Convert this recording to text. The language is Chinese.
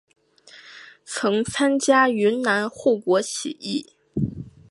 曾参加云南护国起义。